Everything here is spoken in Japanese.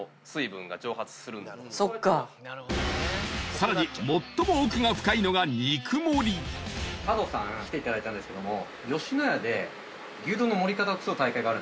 さらに最も奥が深いのが角さん来ていただいたんですけども。